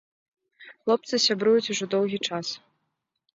Хлопцы сябруюць ужо доўгі час.